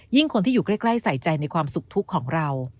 คนที่อยู่ใกล้ใส่ใจในความสุขทุกข์ของเรา